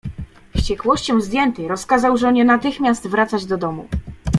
Wściekłością zdjęty rozkazał żonie natychmiast wracać do domu.